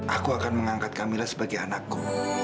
aku akan mengangkat kamilah sebagai anakku